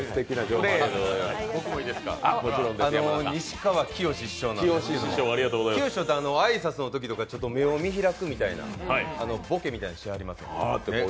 西川きよし師匠なんですけどきよし師匠、挨拶のときにちょっと目を見開くみたいなボケみたいなのしはりますやん。